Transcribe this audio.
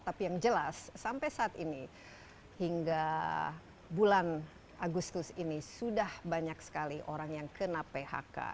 tapi yang jelas sampai saat ini hingga bulan agustus ini sudah banyak sekali orang yang kena phk